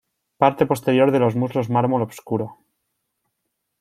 Parte posterior de los muslos mármol obscuro.